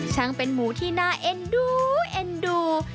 เป็นหมูที่น่าเอ็นดูเอ็นดู